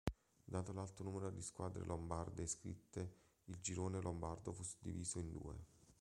Dato l'alto numero di squadre lombarde iscritte il girone lombardo fu suddiviso in due.